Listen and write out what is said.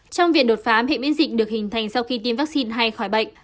trong việc đột phá hệ miễn dịch được hình thành sau khi tiêm vaccine hay khỏi bệnh